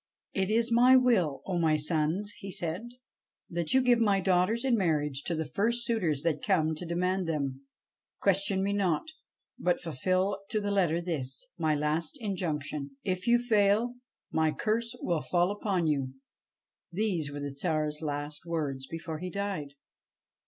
' It is my will, O my sons,' he said, ' that you give my daughters in marriage to the first suitors that come to demand them. Question me not, but fulfil to the letter this, my last injunction. If you fail, my curse will fall upon you.' These were the Tsar's last words before he died.